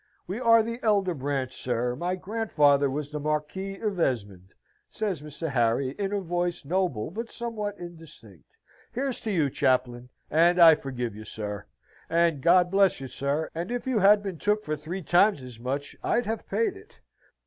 "We are the elder branch, sir. My grandfather was the Marquis of Esmond," says Mr. Harry, in a voice noble but somewhat indistinct. "Here's to you, Chaplain and I forgive you, sir and God bless you, sir and if you had been took for three times as much, I'd have paid it.